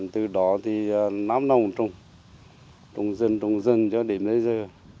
từ đó thì năm năm trùng trùng dân trùng dân cho đến bây giờ